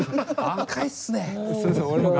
赤いっすね。